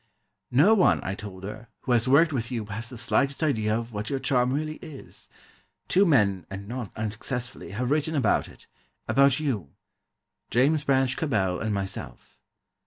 "No one," I told her, "who has worked with you, has the slightest idea of what your charm really is. Two men, and not unsuccessfully, have written about it, about you ... James Branch Cabell and myself.